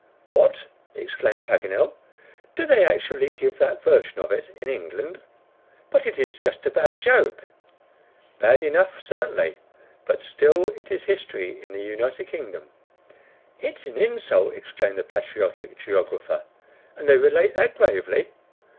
"What!" exclaimed Paganel. "Do they actually give that version of it in England? But it is just a bad joke." "Bad enough, certainly, but still it is history in the United Kingdom." "It's an insult!" exclaimed the patriotic geographer; "and they relate that gravely?"